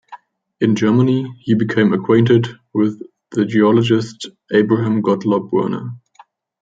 In Germany he became acquainted with the geologist Abraham Gottlob Werner.